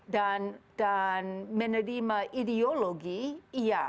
dan menerima ideologi iya